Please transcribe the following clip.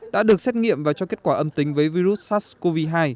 đã được xét nghiệm và cho kết quả âm tính với virus sars cov hai